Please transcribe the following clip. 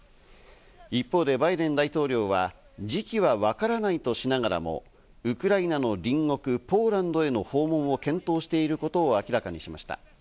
一方でバイデン大統領は時期はわからないとしながらも、ウクライナの隣国ポーランドへの訪問を検討していることを明らかにしました。